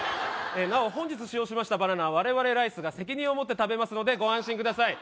なお本日使用しましたバナナは我々ライスが責任を持って食べますのでご安心ください